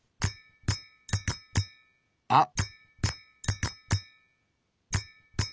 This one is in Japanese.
あっ！